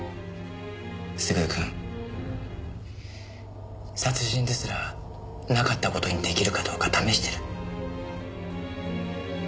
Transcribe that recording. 優くん殺人ですらなかった事に出来るかどうか試してる。